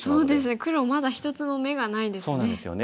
黒まだ一つも眼がないですね。